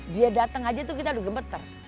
dia datang saja itu kita sudah gemeter